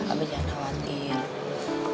abah jangan khawatir